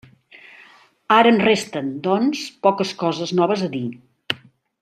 Ara em resten, doncs, poques coses noves a dir.